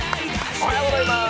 おはようございます。